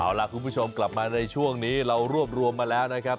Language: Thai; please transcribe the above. เอาล่ะคุณผู้ชมกลับมาในช่วงนี้เรารวบรวมมาแล้วนะครับ